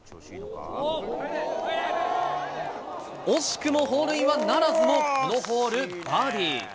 惜しくもホールインワンならずもこのホール、バーディー。